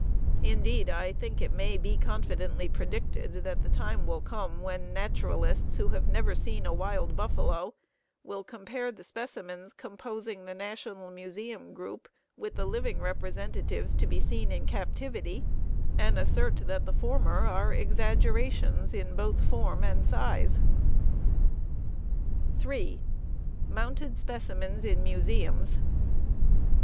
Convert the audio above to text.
Indeed, I think it may be confidently predicted that the time will come when naturalists who have never seen a wild buffalo will compare the specimens composing the National Museum group with the living representatives to be seen in captivity and assert that the former are exaggerations in both form and size. 3. _Mounted Specimens in Museums.